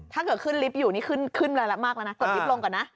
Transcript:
ถ้าเกิดขึ้นลิฟต์อยู่นี่ขึ้นขึ้นมากแล้วนะกดลิฟต์ลงก่อนนะ